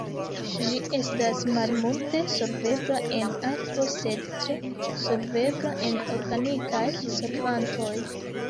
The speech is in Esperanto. Ĝi estas malmulte solvebla en akvo sed tre solvebla en organikaj solvantoj.